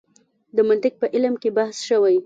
د منطق په علم کې بحث شوی.